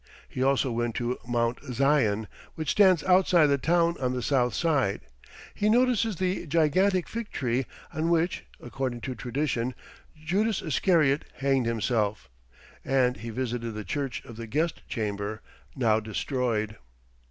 He also went to Mount Zion, which stands outside the town on the south side; he notices the gigantic fig tree, on which, according to tradition, Judas Iscariot hanged himself, and he visited the church of the guest chamber, now destroyed.